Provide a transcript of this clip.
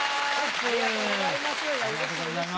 ありがとうございますうれしい。